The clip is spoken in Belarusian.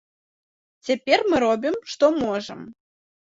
Цяпер мы робім, што можам.